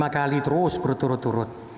lima kali terus berturut turut